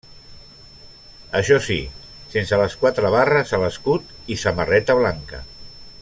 Això sí, sense les quatre barres a l'escut, i samarreta blanca.